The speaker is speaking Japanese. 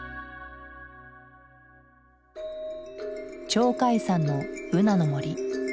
鳥海山のブナの森。